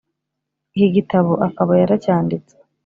Iki gitabo akaba yaracyanditse